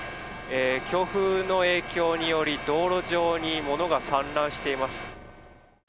強風の影響により道路上に物が散乱しています。